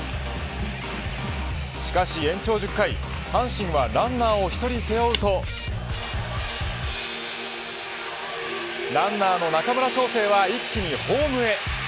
しかし延長１０回阪神はランナーを１人背負うとランナーの中村奨成は一気にホームへ。